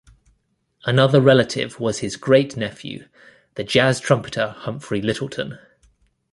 Another relative was his great-nephew, the jazz trumpeter Humphrey Lyttelton.